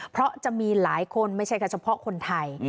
เพราะจะมีหลายคนไม่ใช่แค่เฉพาะคนไทย